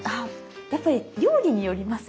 やっぱり料理によりますよね。